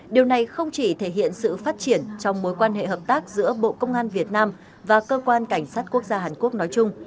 điều này không chỉ thể hiện sự phát triển trong mối quan hệ hợp tác giữa bộ công an việt nam và cơ quan cảnh sát quốc gia hàn quốc nói chung